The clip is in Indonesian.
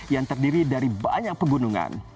yang terdiri dari banyak pegunungan